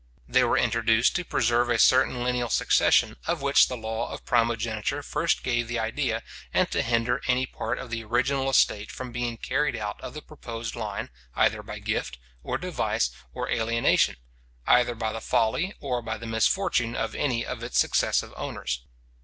They were introduced to preserve a certain lineal succession, of which the law of primogeniture first gave the idea, and to hinder any part of the original estate from being carried out of the proposed line, either by gift, or device, or alienation; either by the folly, or by the misfortune of any of its successive owners.